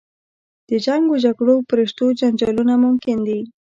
د جنګ و جګړو په رشتو جنجالونه ممکن دي.